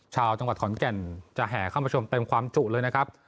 ชาวจังหวัดขอนแก่นจะแห่เข้ามาชมเต็มความจุเลยนะครับ